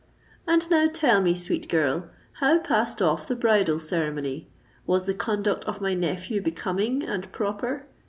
And now tell me, sweet girl, how passed off the bridal ceremony? Was the conduct of my nephew becoming and proper?